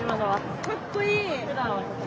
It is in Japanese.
かっこいい。